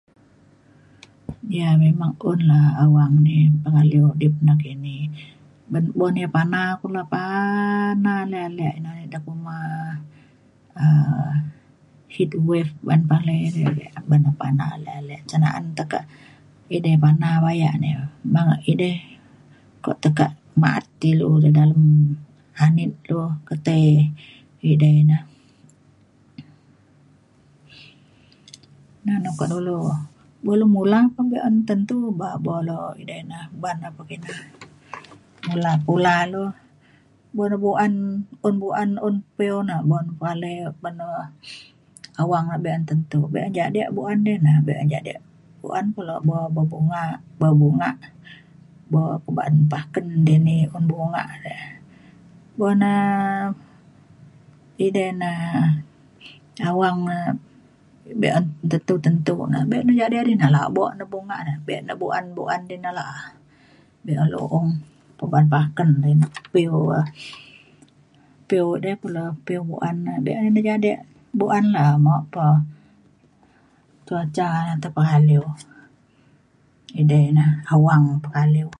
ia’ memang un la awang di pengaliu udip nakini. ban buk ya pana kulo pana ale ale na ida kuma um heatwave ba’an palai re ban na pana ale ale. ca na’an tekak edei pana bayak ni bang edei kuak tekak ma’at ti ilu ja dalem tekak dalem angit lu ke tai edei na. na na kok dulu buk lu mula pa be’un tentu uban ba bo lo edei na uban na pekina mula pula lu. buk na bu’en un bu’en pe iu na un na palai ban na awang be’un tentu be’un jadek bu’en di na be’un jadek bu’en kulo buk berbunga bebungak bo ko ba’an paken dini un bungak re. buk na edei na awang na be’un tentu tentu na be’un na jadi jadi na. labok na bungak na be na bu’an bu’an di na la’a. be’un lu’ong uban paken inu piu um piu edei kulo piu bu’an ina. be’un na jadek bu’an la’a mok pa cuaca na tepaliu edei na awang pekaliu.